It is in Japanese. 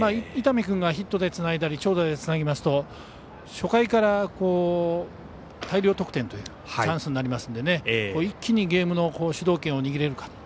伊丹君がヒットでつないだり長打でつなぎますと初回から、大量得点というチャンスになりますので一気にゲームの主導権を握れるか。